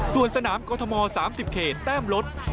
ส่วนสนามกรทม๓๐เขตแต้มลด